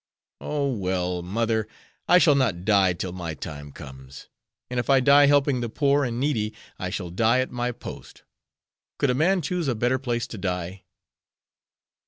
"Oh, well, mother, I shall not die till my time comes. And if I die helping the poor and needy, I shall die at my post. Could a man choose a better place to die?"